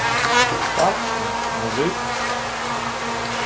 Спав чи — не жив?